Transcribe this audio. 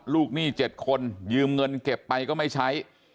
ลูกหนี้เจ็ดคนยืมเงินเก็บไปก็ไม่ใช้